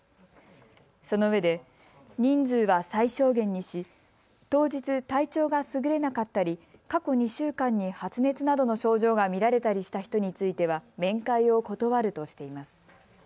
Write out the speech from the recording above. そのうえで人数は最小限にし、当日、体調がすぐれなかったり過去２週間に発熱などの症状が見られたりした人については面会を断るとしています。